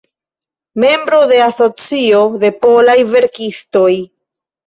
Membro de Asocio de Polaj Verkistoj.